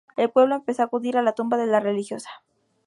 El pueblo empezó a acudir a la tumba de la religiosa.